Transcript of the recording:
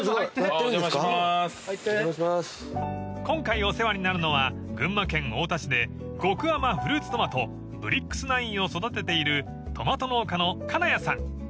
［今回お世話になるのは群馬県太田市で極甘フルーツトマトブリックスナインを育てているトマト農家の金谷さん］